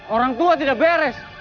orang tua tidak beres